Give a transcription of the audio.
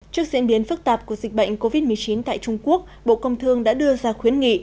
trước diễn biến phức tạp của dịch bệnh covid một mươi chín tại trung quốc bộ công thương đã đưa ra khuyến nghị